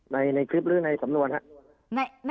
ในคลิปหรือในสำนวนครับ